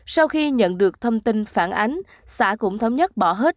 sau khi nhận được thông tin phản ánh xã cũng thống nhất bỏ hết